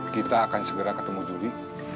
kita akan segera ketemu juli